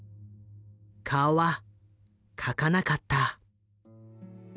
顔は描かなかった。